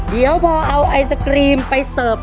เดี๋ยวพอเอาไอศกรีมไปเสิร์ฟ